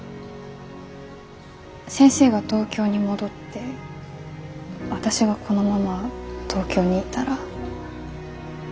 先生が東京に戻って私がこのまま東京にいたら。